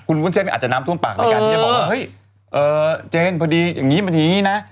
คุณวุ้นเส้นอาจจะน้ำท่วมปากในการที่จะบอกว่าเฮ้ยเจนพอดีอย่างนี้มันอย่างนี้นะ